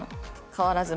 変わらず。